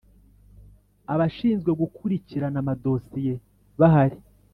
Abashinzwe gukurikirana amadosiye bahari.